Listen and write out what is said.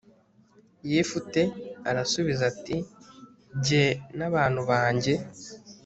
yefute arabasubiza ati jye n'abantu banjye